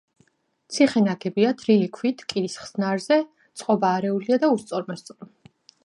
ციხე ნაგებია თლილი ქვით კირის ხსნარზე, წყობა არეულია და უსწორმასწორო.